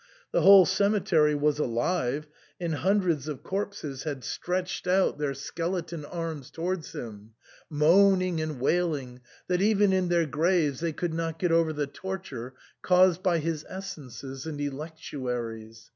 The whole cemetery was alive, and hundreds of corpses had stretched out their 138 SIGNOR FORMICA. skeleton arms towards him, moaning and wailing that even in their graves they could not get over the torture caused by his essences and electuaries.